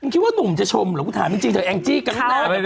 กลัวถามจริงจะเอ็งจี้กัน